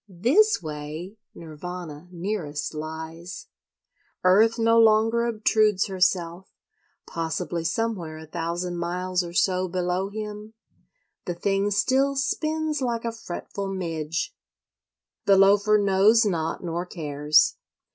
This way Nirvana nearest lies. Earth no longer obtrudes herself; possibly somewhere a thousand miles or so below him the thing still "spins like a fretful midge." The Loafer knows not nor cares.